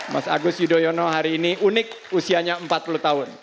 mas agus yudhoyono hari ini unik usianya empat puluh tahun